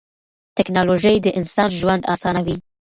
تکنالوژي د انسان ژوند اسانوي.